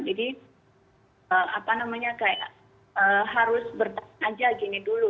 jadi apa namanya kayak harus bertahan aja gini dulu